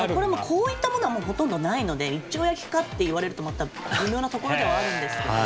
こういったものはもうほとんどないので一丁焼きかって言われるとまた微妙なところではあるんですけど。